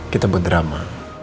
kita buat drama